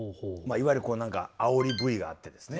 いわゆる何かあおりＶがあってですね